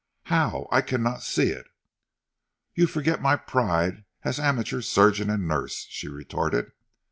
"How? I cannot see it." "You forget my pride as amateur surgeon and nurse," she retorted.